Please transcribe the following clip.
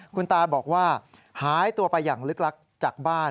คุณตาบอกว่าหายตัวไปอย่างลึกลักจากบ้าน